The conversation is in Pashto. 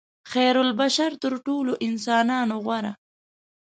خیرالبشر تر ټولو انسانانو غوره.